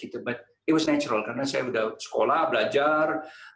tapi itu natural karena saya sudah sekolah belajar